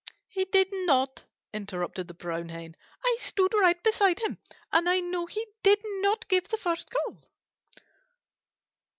"He did not," interrupted the Brown Hen. "I stood right beside him, and I know he did not give the first call."